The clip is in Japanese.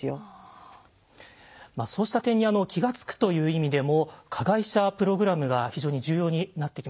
まあそうした点に気が付くという意味でも加害者プログラムが非常に重要になってきます。